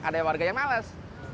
ada warga yang males